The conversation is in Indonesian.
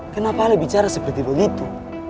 kenapa anda bicara seperti begitu